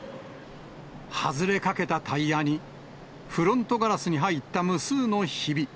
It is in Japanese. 外れかけたタイヤに、フロントガラスに入った無数のひび。